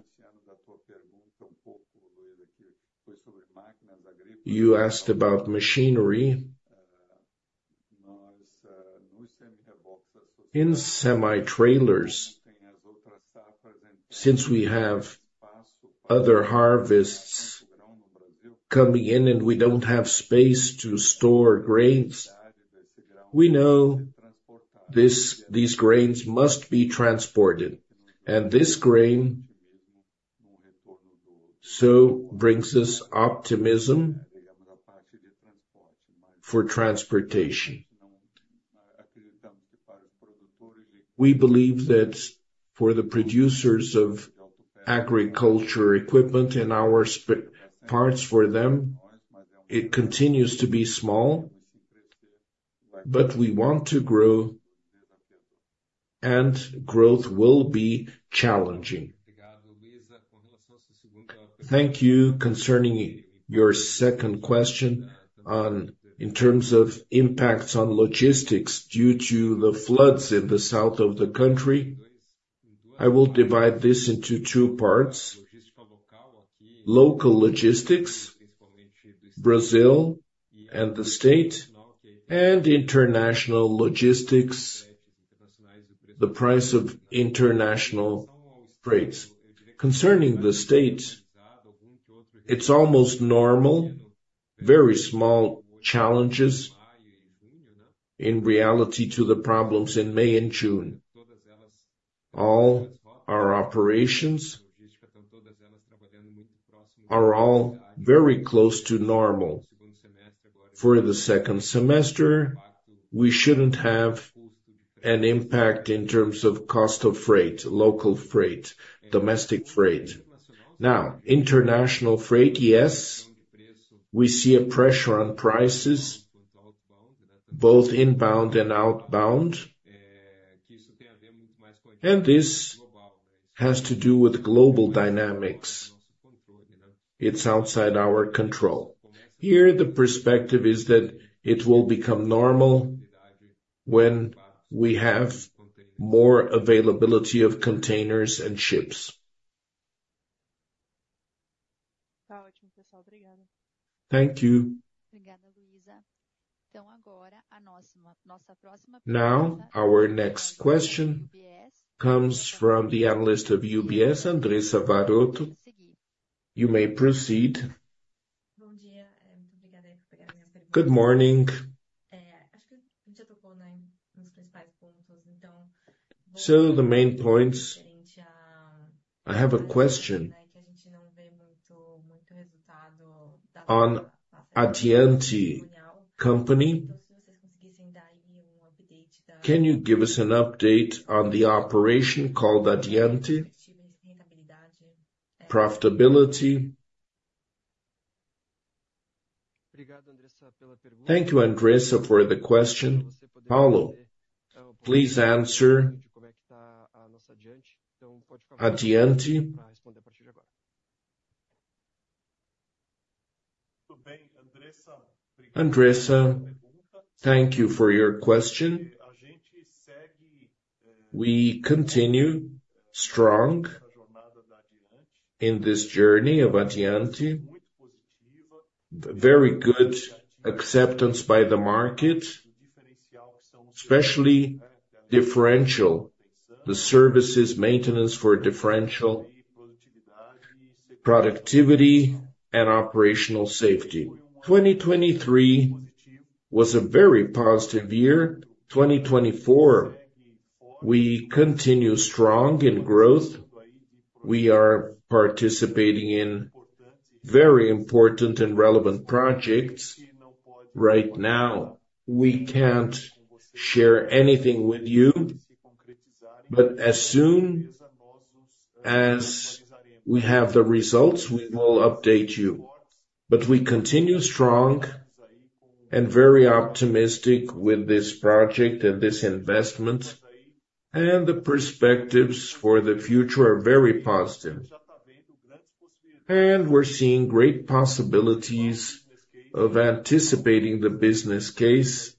You asked about machinery. In semi-trailers, since we have other harvests coming in and we don't have space to store grains, we know this, these grains must be transported, and this grain so brings us optimism for transportation. We believe that for the producers of agriculture equipment and our parts for them, it continues to be small, but we want to grow, and growth will be challenging. Thank you. Concerning your second question on, in terms of impacts on logistics due to the floods in the south of the country, I will divide this into two parts: local logistics, Brazil and the state, and international logistics, the price of international trades. Concerning the state, it's almost normal, very small challenges in reality to the problems in May and June. All our operations are all very close to normal. For the second semester, we shouldn't have an impact in terms of cost of freight, local freight, domestic freight. Now, international freight, yes, we see a pressure on prices, both inbound and outbound, and this has to do with global dynamics. It's outside our control. Here, the perspective is that it will become normal when we have more availability of containers and ships. Thank you. Now, our next question comes from the analyst of UBS, Andressa Varotto. You may proceed. Good morning. So the main points, I have a question on Addiante company. Can you give us an update on the operation called Addiante profitability? Thank you, Andressa, for the question. Paulo, please answer Addiante. Andressa, thank you for your question. We continue strong in this journey of Addiante. Very good acceptance by the market, especially differential, the services, maintenance for differential, productivity and operational safety. 2023 was a very positive year. 2024, we continue strong in growth. We are participating in very important and relevant projects. Right now, we can't share anything with you, but as soon as we have the results, we will update you. But we continue strong and very optimistic with this project and this investment, and the perspectives for the future are very positive. And we're seeing great possibilities of anticipating the business case,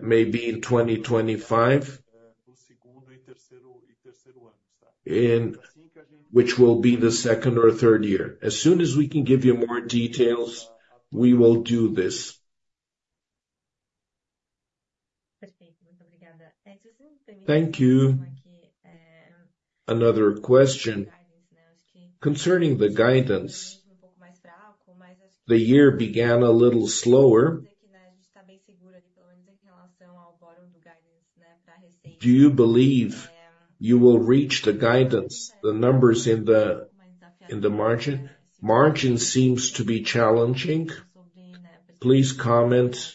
maybe in 2025, which will be the second or third year. As soon as we can give you more details, we will do this. Thank you. Another question concerning the guidance. The year began a little slower. Do you believe you will reach the guidance, the numbers in the, in the margin? Margin seems to be challenging. Please comment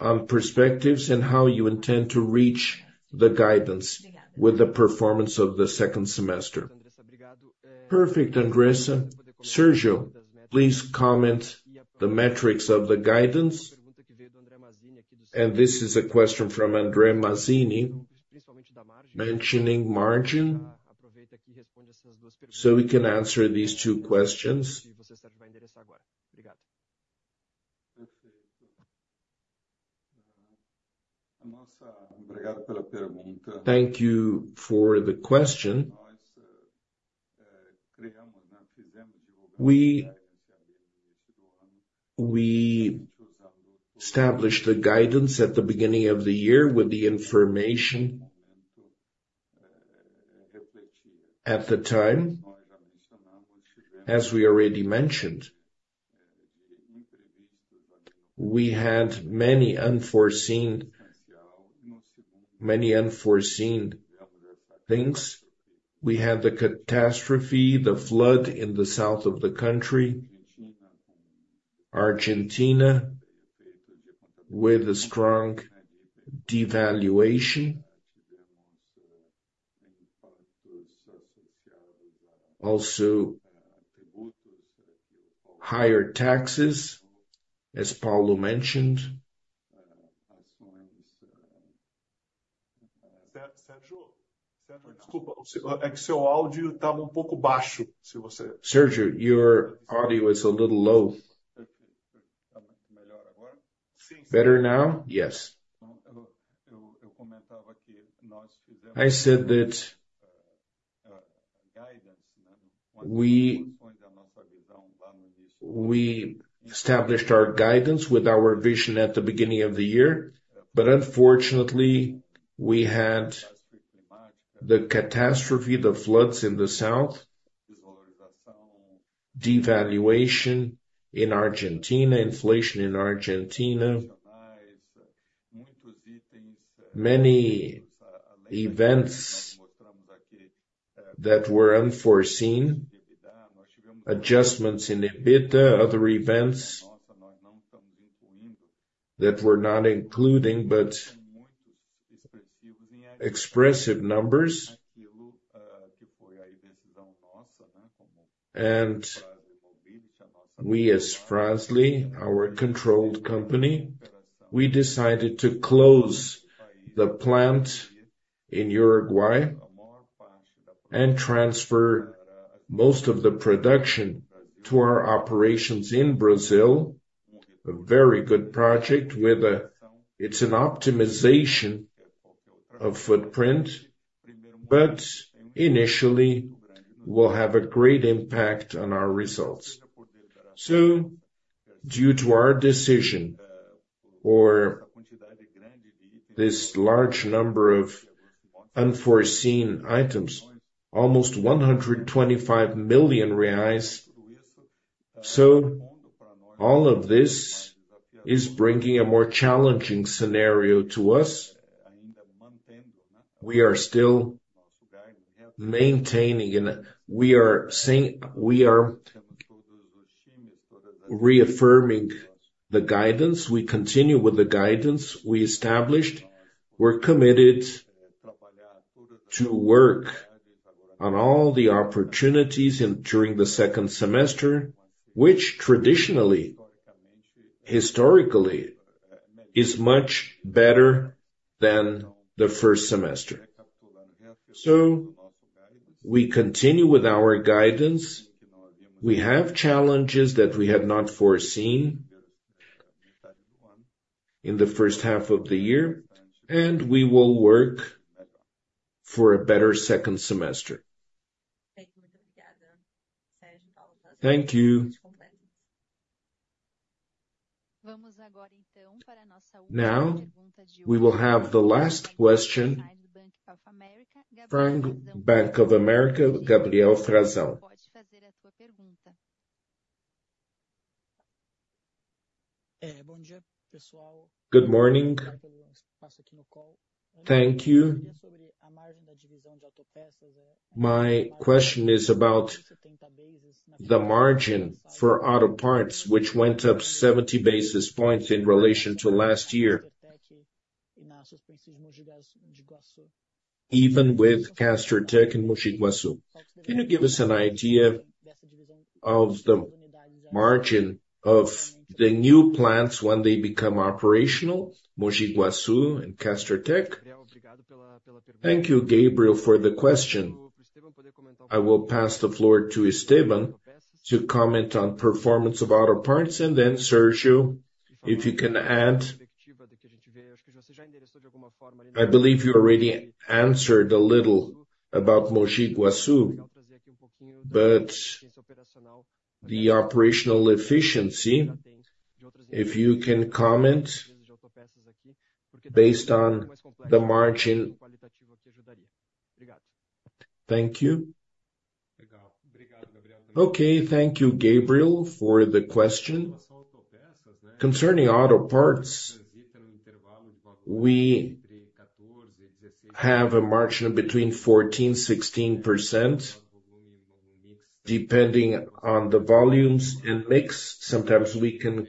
on perspectives and how you intend to reach the guidance with the performance of the second semester. Perfect, Andressa. Sergio, please comment the metrics of the guidance, and this is a question from Andre Mazini, mentioning margin, so we can answer these two questions. Thank you for the question. We, we established the guidance at the beginning of the year with the information. At the time, as we already mentioned, we had many unforeseen, many unforeseen things. We had the catastrophe, the flood in the south of the country, Argentina, with a strong devaluation. Also, higher taxes, as Paulo mentioned. Sergio, your audio is a little low. Better now? Yes. I said that we established our guidance with our vision at the beginning of the year, but unfortunately, we had the catastrophe, the floods in the south, devaluation in Argentina, inflation in Argentina. Many events that were unforeseen, adjustments in EBITDA, other events that we're not including, but expressive numbers. And we, as Fras-le, our controlled company, we decided to close the plant in Uruguay and transfer most of the production to our operations in Brazil. A very good project with it's an optimization of footprint, but initially, will have a great impact on our results. So due to our decision, this large number of unforeseen items, almost 125 million reais. So all of this is bringing a more challenging scenario to us. We are still maintaining and we are saying—we are reaffirming the guidance. We continue with the guidance we established. We're committed to work on all the opportunities in, during the second semester, which traditionally, historically, is much better than the first semester. So we continue with our guidance. We have challenges that we had not foreseen in the first half of the year, and we will work for a better second semester. Thank you. Thank you. Now, we will have the last question from Bank of America, Gabriel Frazão. Good morning. Thank you. My question is about the margin for auto parts, which went up 70 basis points in relation to last year. Even with Castertech and Mogi Guaçu, can you give us an idea of the margin of the new plants when they become operational, Mogi Guaçu and Castertech? Thank you, Gabriel, for the question. I will pass the floor to Esteban to comment on performance of auto parts, and then, Sergio, if you can add. I believe you already answered a little about Mogi Guaçu, but the operational efficiency, if you can comment based on the margin. Thank you. Okay, thank you, Gabriel, for the question. Concerning auto parts, we have a margin between 14%-16%, depending on the volumes and mix. Sometimes we can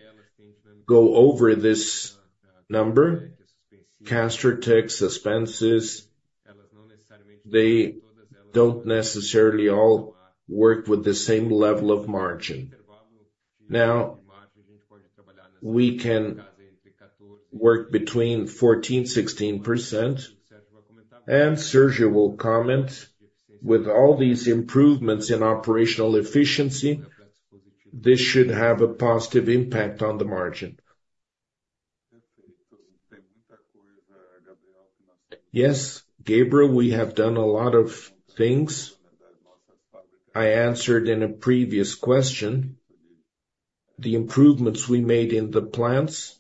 go over this number. Castertech, Suspensys, they don't necessarily all work with the same level of margin. Now, we can work between 14%-16%, and Sergio will comment. With all these improvements in operational efficiency, this should have a positive impact on the margin. Yes, Gabriel, we have done a lot of things. I answered in a previous question, the improvements we made in the plants.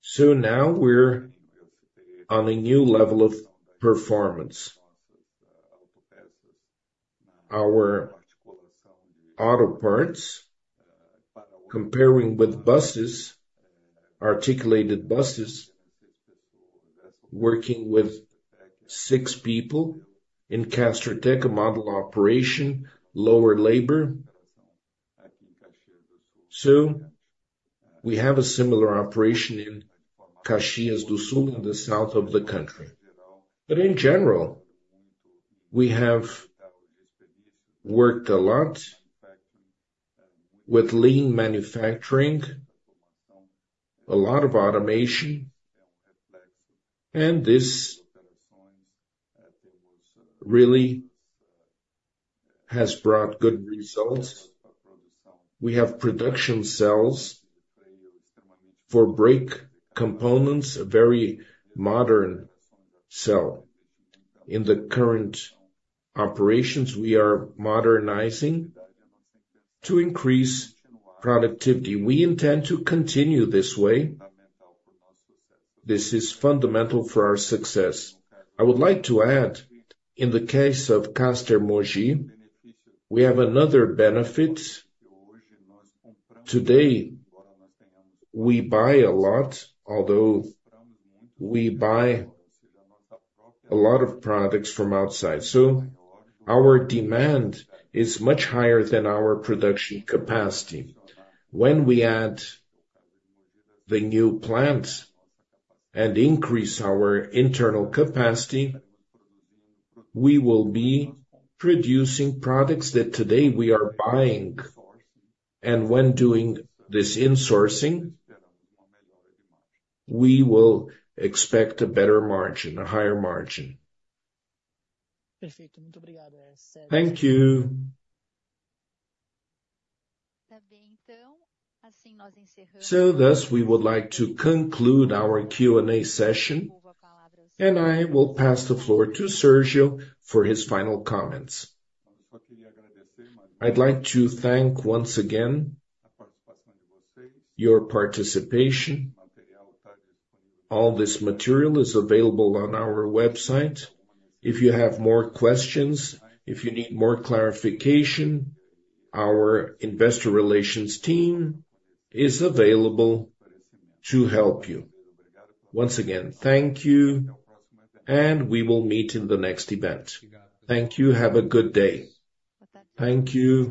So now we're on a new level of performance. Our auto parts, comparing with buses, articulated buses, working with six people in Castertech, a model operation, lower labor. So we have a similar operation in Caxias do Sul, in the south of the country. But in general, we have worked a lot with lean manufacturing, a lot of automation, and this really has brought good results. We have production cells for brake components, a very modern cell. In the current operations, we are modernizing to increase productivity. We intend to continue this way. This is fundamental for our success. I would like to add, in the case of Castertech Mogi, we have another benefit. Today, we buy a lot, although we buy a lot of products from outside, so our demand is much higher than our production capacity. When we add the new plants and increase our internal capacity, we will be producing products that today we are buying, and when doing this insourcing, we will expect a better margin, a higher margin. Thank you. So thus, we would like to conclude our Q&A session, and I will pass the floor to Sergio for his final comments. I'd like to thank once again, your participation. All this material is available on our website. If you have more questions, if you need more clarification, our investor relations team is available to help you. Once again, thank you, and we will meet in the next event. Thank you. Have a good day. Thank you.